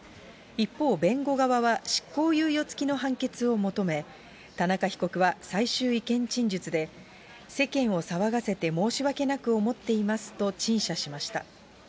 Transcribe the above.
一方、弁護側は執行猶予付きの判決を求め、田中被告は最終意見陳述で、世間を騒がせて申し訳なく思っていますと陳謝しました。